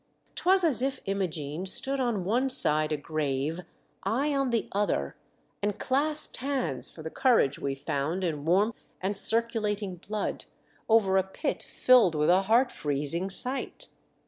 'Twas as if Imogene stood on one side a grave, I on the other, and clasped hands for the courage we found in warm and circulating blood, over a pit filled with a heart freezing sight.